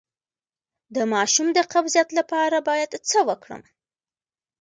د ماشوم د قبضیت لپاره باید څه وکړم؟